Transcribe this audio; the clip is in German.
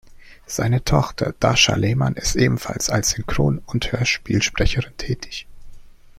Seine Tochter Dascha Lehmann ist ebenfalls als Synchron- und Hörspielsprecherin tätig.